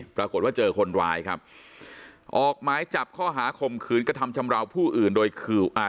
ปรากฏว่าเจอคนร้ายครับออกหมายจับข้อหาข่มขืนกระทำชำราวผู้อื่นโดยคืออ่า